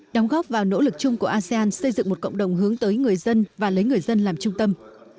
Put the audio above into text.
đóng góp vào nỗ lực chung của asean xây dựng một cộng đồng hướng tới người dân và lấy người dân làm trung tâm